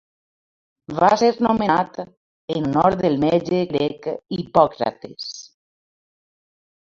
Va ser nomenat en honor del metge grec Hipòcrates.